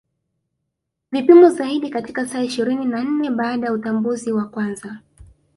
Vipimo zaidi katika saa ishirini na nne baada ya utambuzi wa kwanza